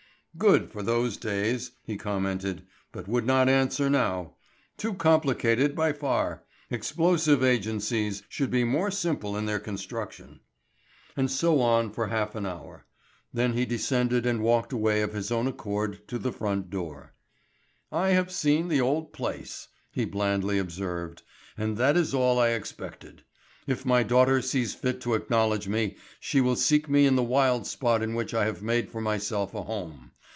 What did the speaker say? "Good for those days," he commented, "but would not answer now. Too complicated by far; explosive agencies should be more simple in their construction." And so on for half an hour; then he descended and walked away of his own accord to the front door. "I have seen the old place!" he blandly observed, "and that is all I expected. If my daughter sees fit to acknowledge me, she will seek me in the wild spot in which I have made for myself a home.